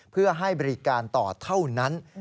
เพื่อให้บริการต่อเท่านั้น